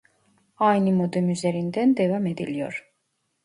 Aynı modem üzerinden devam ediliyor